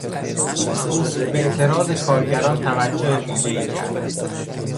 او به اعتراض کارگران توجه ویژهای کرد.